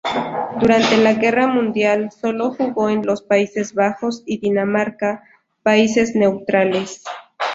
Durante la Guerra Mundial solo jugó en los Países Bajos y Dinamarca, países neutrales.